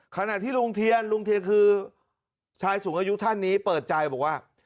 ขณะที่ลุงเทียนลุงเทียนคือชายสูงอายุท่านนี้เปิดใจบอกว่า